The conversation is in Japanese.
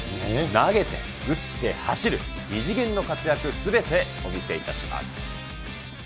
投げて、打って、走る、異次元の活躍すべてお見せいたします。